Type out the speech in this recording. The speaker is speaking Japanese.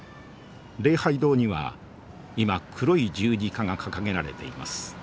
礼拝堂には今黒い十字架が掲げられています。